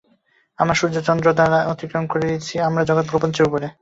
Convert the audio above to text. আমরা সূর্য চন্দ্র তারা অতিক্রম করে রয়েছি, আমরা জগৎপ্রপঞ্চেরও উপরে।